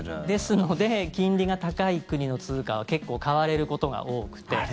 ですので金利が高い国の通貨は結構、買われることが多くて。